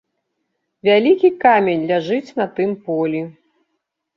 Вялікі камень ляжыць на тым полі.